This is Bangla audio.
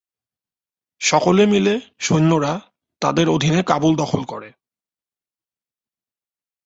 সকলে মিলে, সৈন্যরা, তাদের অধীনে কাবুল দখল করে।